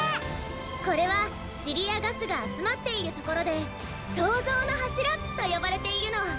これはチリやガスがあつまっているところで「そうぞうのはしら」とよばれているの。